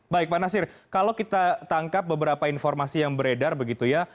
baik pak nasir kalau kita tangkap beberapa informasi yang beredar begitu ya